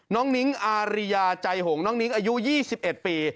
นิ้งอาริยาใจหงน้องนิ้งอายุ๒๑ปี